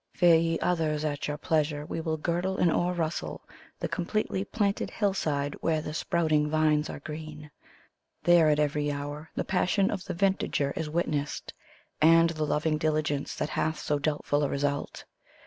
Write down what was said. Fare, ye others, at your pleasure ; we will girdle and o'errustle The eompletely^planted hillside, where the sprouting vines are green. There at every hour the passion of the vintagier is witnessed. And the loving diligence, that hath so doubtful a result.